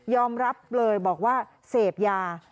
อมรับเลยบอกว่าเสพยา